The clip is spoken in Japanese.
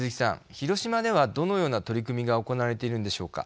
広島ではどのような取り組みが行われているんでしょうか。